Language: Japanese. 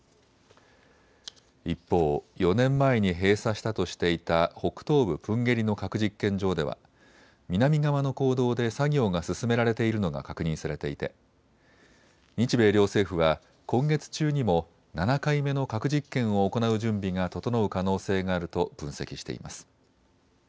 一方、４年前に閉鎖したとしていた北東部プンゲリの核実験場では南側の坑道で作業が進められているのが確認されていて日米両政府は今月中にも７回目の核実験を行う準備が整う可能性があると分析しています。